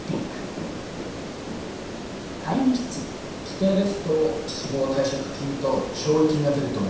規定ですと死亡退職金と弔慰金が出ると思います。